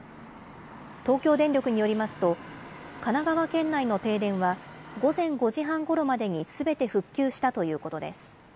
東京電力によりますと、神奈川県内の停電は、午前５時半ごろまでにすべて復旧したということです。